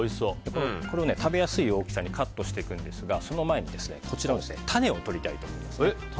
これを食べやすい大きさにカットしていくんですがその前に種を取りたいと思います。